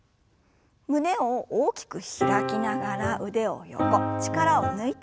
胸を大きく開きながら腕を横力を抜いて振りほぐします。